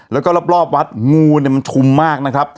แล้วก็รอบวัดงูเนี่ยมันชุมมากนะครับ